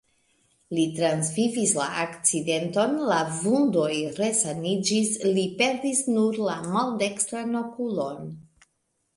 Li transvivis la akcidenton, la vundoj resaniĝis, li perdis nur la maldekstran okulon.